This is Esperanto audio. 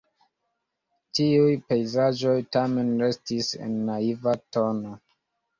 Tiuj pejzaĝoj tamen restis en naiva tono.